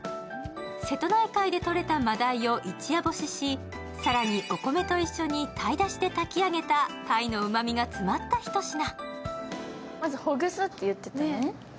瀬戸内海でとれた真鯛を一夜干しし、更に、お米と一緒に鯛だしで炊き上げた鯛のうまみが詰まったひと品。